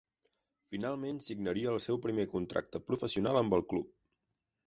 Finalment signaria el seu primer contracte professional amb el club.